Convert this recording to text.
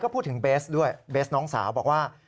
พูดถึงเบสด้วยเบสน้องสาวบอกว่า